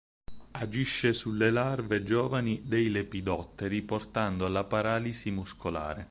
Agisce sulle larve giovani dei lepidotteri portando alla paralisi muscolare.